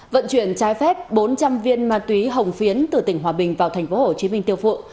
vận chuyển trái phép bốn trăm linh viên ma túy hồng phiến từ tỉnh hòa bình vào thành phố hồ chí minh tiêu phụ